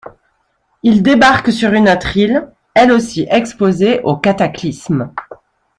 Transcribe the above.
Ils débarquent sur une autre île, elle aussi exposée aux cataclysmes.